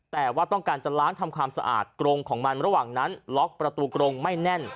แต่ว่าต้องการจะล้างทำความสะอาดกรงของมันระหว่างนั้นล็อกประตูกรงไม่แน่น